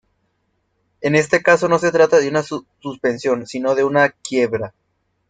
En este caso no se trata de una suspensión, sino de una quiebra.